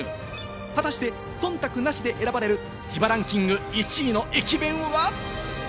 果たして忖度なしで選ばれる自腹ンキング１位の駅弁は。